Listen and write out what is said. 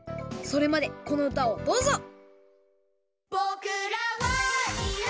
それまでこのうたをどうぞ！